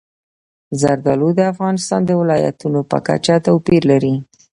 زردالو د افغانستان د ولایاتو په کچه توپیر لري.